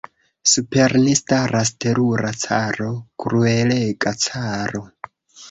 Super ni staras terura caro, kruelega caro.